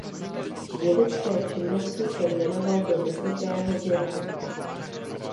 Vědecké činnosti se věnoval do vysokého věku.